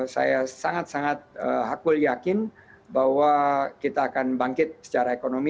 saya sangat sangat hakul yakin bahwa kita akan bangkit secara ekonomi